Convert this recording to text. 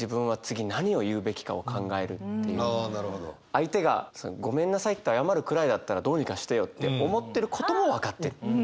相手が「ごめんなさい」って謝るくらいだったらどうにかしてよって思ってることも分かってる。